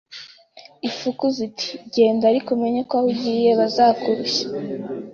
Ifuku ziti: "Genda ariko umenye ko aho ugiye bazakurushya